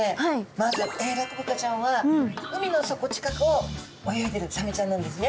まずエイラクブカちゃんは海の底近くを泳いでるサメちゃんなんですね。